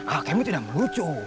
a'ah kamu tidak lucu